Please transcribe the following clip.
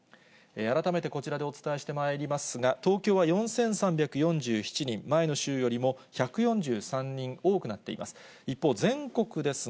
改めてこちらでお伝えしてまいりますが、東京は４３４７人、前の週よりも１４３人多くなっています。